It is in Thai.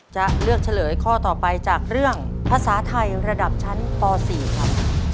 จะเลือกเฉลยข้อต่อไปจากเรื่องภาษาไทยระดับชั้นป๔ครับ